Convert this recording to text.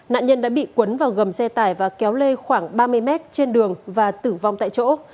nạn nhân đã bị cuốn vào gầm xe tải và kéo lê khoảng ba mươi mét trên đường và tử vong tại chỗ